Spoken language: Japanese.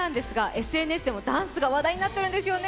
ＳＮＳでもダンスが話題になっているんですよね？